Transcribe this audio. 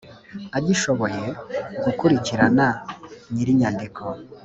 agishoboye gukurikirana nyir inyandiko